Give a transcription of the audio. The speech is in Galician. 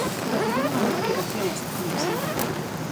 Recibiron a notificación esta fin de semana.